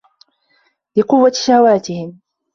لِقُوَّةِ شَهَوَاتِهِمْ